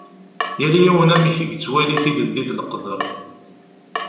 Yal yiwen amek i yettwali tilelli d leqder.